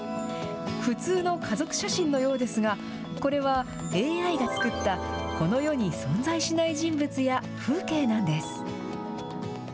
普通の家族写真のようですが、これはＡＩが作ったこの世に存在しない人物や風景なんです。